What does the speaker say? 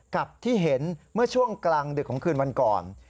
กับที่เห็นเมื่อช่วงกลางดึกของคืนวันก่อน